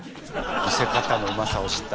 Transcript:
「見せ方のうまさを知った」。